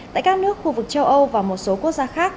tại các nước khu vực châu âu và một số quốc gia khác